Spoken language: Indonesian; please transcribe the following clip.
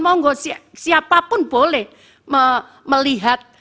mau enggak siapapun boleh melihat